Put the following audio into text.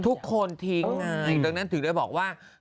ทุกคนทิ้งไงดังนั้นถึงได้บอกว่า